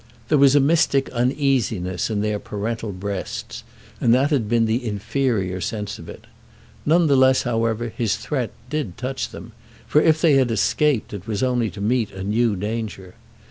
There was a mystic uneasiness in their parental breasts, and that had been the inferior sense of it. None the less however, his threat did touch them; for if they had escaped it was only to meet a new danger.